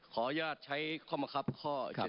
ขออนุญาตใช้ข้อมะครับข้อ๗๒